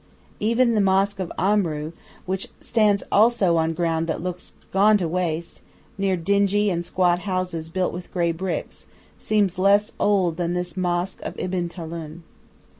Even the mosque of Amru, which stands also on ground that looks gone to waste, near dingy and squat houses built with grey bricks, seems less old than this mosque of Ibn Tulun.